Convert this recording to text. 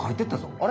あれ？